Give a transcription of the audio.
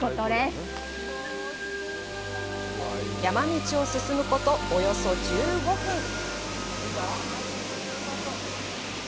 山道を進むこと、およそ１５分。